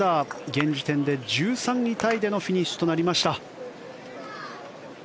現時点で１３位タイでのフィニッシュとなりました。